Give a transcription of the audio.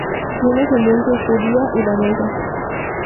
Tiene ascendencia judía y danesa.